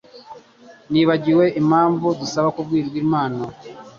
Nibagiwe kukubwira impamvu dusaba impano.